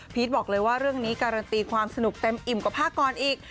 บอกเลยว่าเรื่องนี้การันตีความสนุกเต็มอิ่มกว่าภาคกรอีก